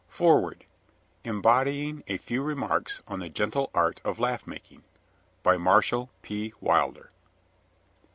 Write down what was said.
FOREWORD EMBODYING A FEW REMARKS ON THE GENTLE ART OF LAUGH MAKING. BY MARSHALL P. WILDER.